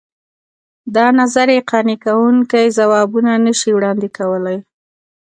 دا نظریې قانع کوونکي ځوابونه نه شي وړاندې کولای.